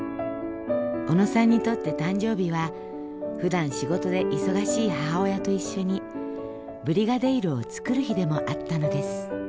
小野さんにとって誕生日はふだん仕事で忙しい母親と一緒にブリガデイロを作る日でもあったのです。